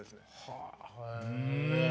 はあへえ！